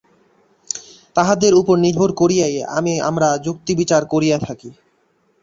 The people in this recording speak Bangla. তাহাদের উপর নির্ভর করিয়াই আমরা যুক্তি-বিচার করিয়া থাকি।